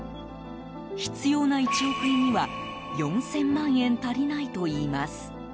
必要な１億円には４０００万円足りないといいます。